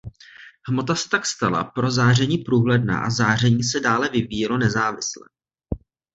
Hmota se tak stala pro záření průhledná a záření se dále vyvíjelo nezávisle.